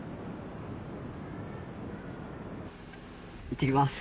いってきます。